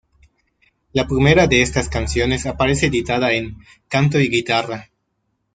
La primera de estas canciones aparece editada en "Canto y Guitarra".